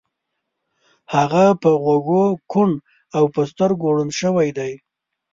هغه په غوږو کوڼ او په سترګو ړوند شوی دی